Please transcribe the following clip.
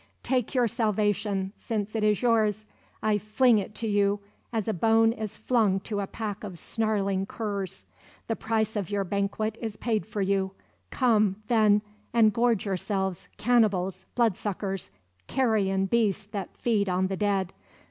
"Take your salvation, since it is yours! I fling it to you as a bone is flung to a pack of snarling curs! The price of your banquet is paid for you; come, then, and gorge yourselves, cannibals, bloodsuckers carrion beasts that feed on the dead!